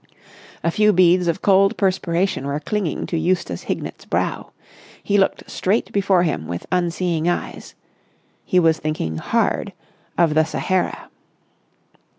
A few beads of cold perspiration were clinging to Eustace Hignett's brow. He looked straight before him with unseeing eyes. He was thinking hard of the Sahara.